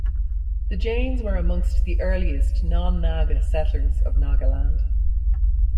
The Jains were amongst the earliest non-Naga settlors of Nagaland.